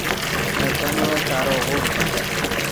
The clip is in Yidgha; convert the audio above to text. نے کینیکو سارو غوڤڈ